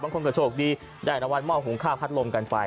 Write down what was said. บางคนก็โฉคดีได้รมมของข้าวพัดโลมกันไป